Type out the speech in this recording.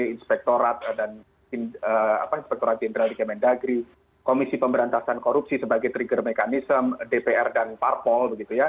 inspektorat jenderal di kementerian negeri komisi pemberantasan korupsi sebagai trigger mechanism dpr dan parpol